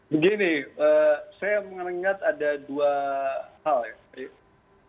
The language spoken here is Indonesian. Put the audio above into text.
begini saya mengingat ada dua hal ya